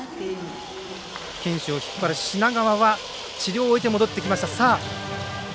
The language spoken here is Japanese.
選手を引っ張る品川は治療を終えて戻ってきました。